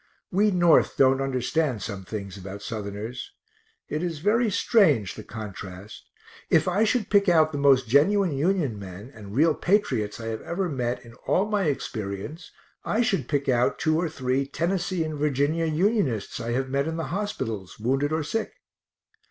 We North don't understand some things about Southerners; it is very strange, the contrast if I should pick out the most genuine Union men and real patriots I have ever met in all my experience, I should pick out two or three Tennessee and Virginia Unionists I have met in the hospitals, wounded or sick.